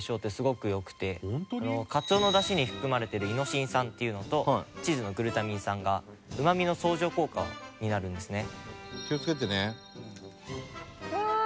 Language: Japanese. カツオの出汁に含まれてるイノシン酸っていうのとチーズのグルタミン酸がうまみの相乗効果になるんですね。